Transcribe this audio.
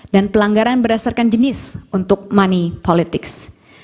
pelanggaran berdasarkan jenis untuk money politics